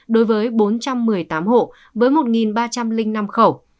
đối với bốn trăm một mươi tám hộ với một ba trăm linh năm khẩu